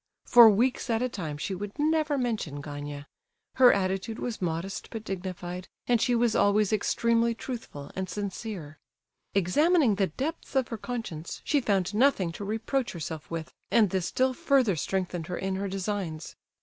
For weeks at a time she would never mention Gania. Her attitude was modest but dignified, and she was always extremely truthful and sincere. Examining the depths of her conscience, she found nothing to reproach herself with, and this still further strengthened her in her designs.